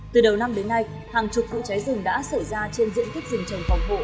từ đầu năm đến nay hàng chục vụ cháy rừng đã xảy ra trên diện tích rừng trồng phòng hộ